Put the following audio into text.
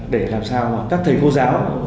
để làm sao các thầy cô giáo giáo dục thể chất